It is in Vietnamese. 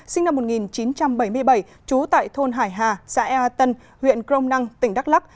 sinh năm một nghìn chín trăm bảy mươi bảy trú tại thôn hải hà xã ea tân huyện crong năng tỉnh đắk lắc